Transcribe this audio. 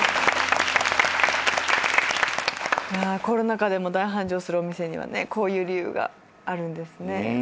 コロナ禍でも大繁盛するお店にはこういう理由があるんですね。